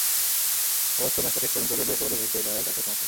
অবশ্য ম্যাচটা শেষ পর্যন্ত যদি একেবারে ভেসে যায়, তাতেও সমস্যা নেই।